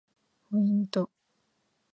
ポイント